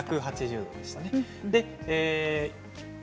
１８０度でしたね。